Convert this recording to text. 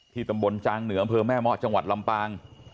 ที่ตำบลจางเหนือมแม่หมอจังหวัดลำปาง